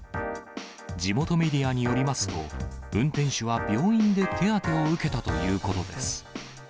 地元メディアによりますと、運転手は病院で手当てを受けたということです。